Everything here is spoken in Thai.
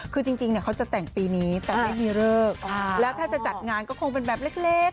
คือจริงเขาจะแต่งปีนี้แต่ไม่มีเลิกแล้วถ้าจะจัดงานก็คงเป็นแบบเล็ก